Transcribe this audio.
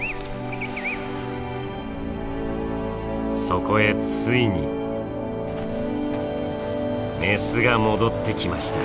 そこへついにメスが戻ってきました。